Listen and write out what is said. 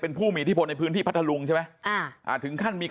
เป็นผู้มีที่พอในพื้นที่พัทลุงใช่ไหม